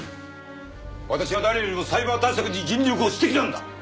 私は誰よりもサイバー対策に尽力をしてきたんだ！